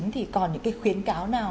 thì còn những khuyến cáo nào